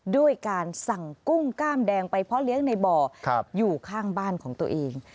ด้วยการสั่งกุ้งกล้ามแดงไปเพาะเลี้ยงในบ่ออยู่ข้างบ้านของตัวเอง